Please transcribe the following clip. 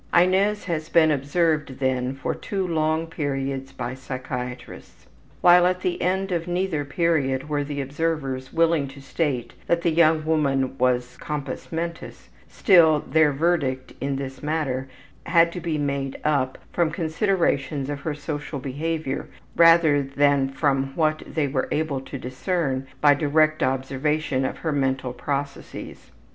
Inez has been observed, then, for two long periods by psychiatrists. While at the end of neither period were the observers willing to state that the young woman was compos mentis, still their verdict in this matter had to be made up from considerations of her social behavior rather than from what they were able to discern by direct observation of her mental processes.